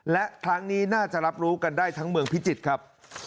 และครั้งนี้น่าจะรับรู้กันได้ทั้งเมืองพิจิตรครับ